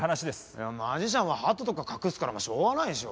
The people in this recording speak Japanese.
いやマジシャンはハトとか隠すからしょうがないでしょ。